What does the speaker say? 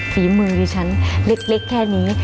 ฝีมือดิฉันเล็กแค่นี้